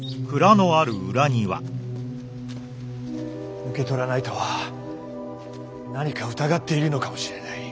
受け取らないとは何か疑っているのかもしれない。